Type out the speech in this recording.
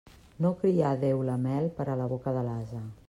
No crià Déu la mel per a la boca de l'ase.